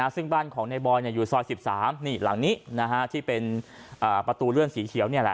ซึ่งบ้านของในบอยอยู่ซอย๑๓นี่หลังนี้ที่เป็นประตูเลื่อนสีเขียว